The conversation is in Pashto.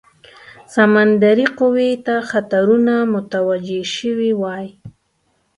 سمندري قوې ته خطرونه متوجه سوي وای.